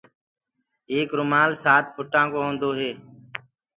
ايڪ رومآل سآت ڦُٽآ ڪو بيٚ هونٚدو هي